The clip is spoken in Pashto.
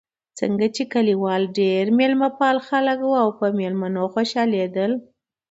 ځکه چې کلیوال ډېر مېلمه پال خلک و او پر مېلمنو خوشحالېدل.